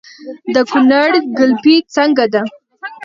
د کونړ ګلپي څنګه ده؟